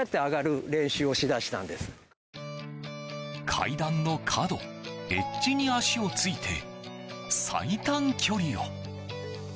階段の角エッジに足をついて最短距離を。